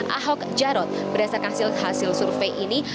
ahok jarot berdasarkan hasil survei ini